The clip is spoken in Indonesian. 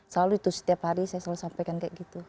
selalu itu setiap hari saya selalu sampaikan kayak gitu